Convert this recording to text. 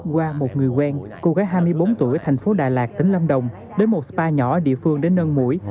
qua một người quen cô gái hai mươi bốn tuổi tp đà lạt tỉnh lâm đồng đến một spa nhỏ địa phương để nâng mũi